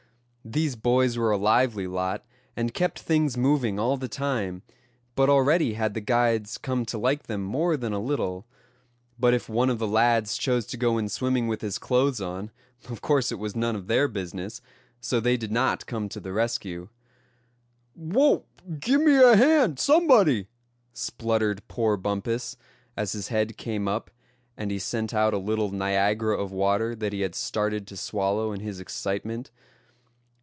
These boys were a lively lot, and kept things moving all the time; but already had the guides come to like them more than a little. But if one of the lads chose to go in swimming with his clothes on, of course it was none of their business. So they did not run to the rescue. "Wow! gimme a hand, somebody!" spluttered poor Bumpus, as his head came up, and he sent out a little Niagara of water that he had started to swallow in his excitement.